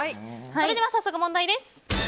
それでは早速、問題です。